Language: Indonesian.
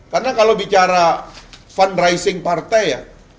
karena kalau bicara fundraising partai ya